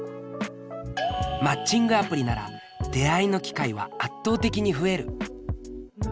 マッチングアプリなら出会いの機会は圧倒的に増える。